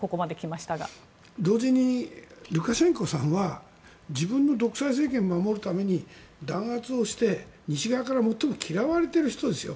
同時にルカシェンコは自分の独裁政権を守るために弾圧をして、西側から最も嫌われている人ですよ。